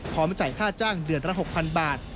จ่ายค่าจ้างเดือนละ๖๐๐๐บาท